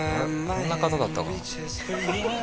こんな方だったかな？